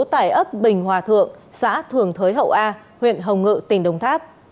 tại ấp bình hòa thượng xã thường thới hậu a huyện hồng ngự tỉnh đồng tháp